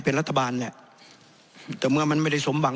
เป็นรัฐบาลแหละแต่เมื่อมันไม่ได้สมหวัง